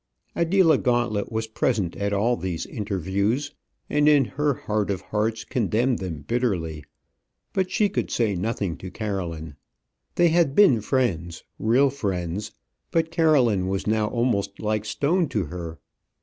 Adela Gauntlet was present at all these interviews, and in her heart of hearts condemned them bitterly; but she could say nothing to Caroline. They had been friends real friends; but Caroline was now almost like stone to her.